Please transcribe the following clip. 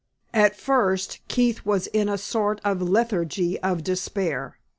At first Keith was in a sort of lethargy of despair.